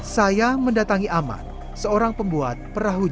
saya mendatangi aman seorang pembuat perahu